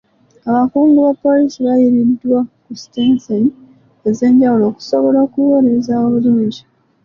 Abakungu ba poliisi bayiiriddwa ku sitenseni ez'enjawulo okusobola okuweereza obulungi.